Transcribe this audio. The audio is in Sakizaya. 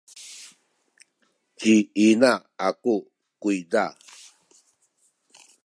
ci ina aku kuyza